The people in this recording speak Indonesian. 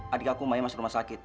adik aku main masuk rumah sakit